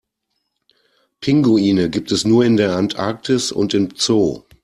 Pinguine gibt es nur in der Antarktis und im Zoo.